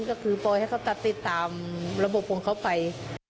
ก็คือปล่อยให้เขาตัดติดตามระบบของเขาไป